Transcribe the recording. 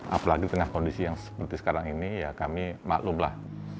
apalagi tengah kondisi yang seperti sekarang ini ya kami maklum lah